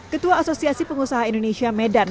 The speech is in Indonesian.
ketua asosiasi pengusaha indonesia medan